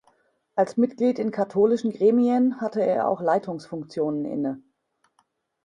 Als Mitglied in katholischen Gremien hatte er auch Leitungsfunktionen inne.